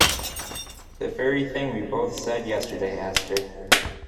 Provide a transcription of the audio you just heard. The very thing we both said yesterday, Esther!